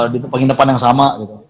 di tempat yang sama gitu